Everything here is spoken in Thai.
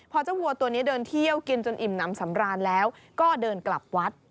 พอเจ้าวัวตัวนี้เดินเที่ยวกินจนอิ่มน้ำสำราญแล้วก็เดินกลับวัด